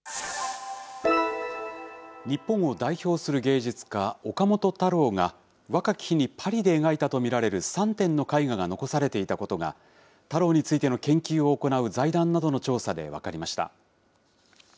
日本を代表する芸術家、岡本太郎が、若き日にパリで描いたと見られる３点の絵画が残されていたことが、太郎についての研究を行う財団などの調査で分かりました。